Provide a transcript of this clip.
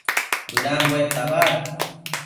bëdambuec tabad